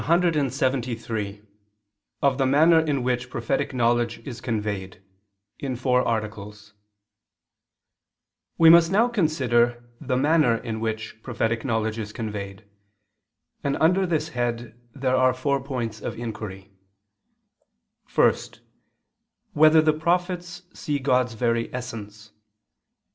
109, A. 4, ad 1). _______________________ QUESTION 173 OF THE MANNER IN WHICH PROPHETIC KNOWLEDGE IS CONVEYED (In Four Articles) We must now consider the manner in which prophetic knowledge is conveyed, and under this head there are four points of inquiry: (1) Whether the prophets see God's very essence?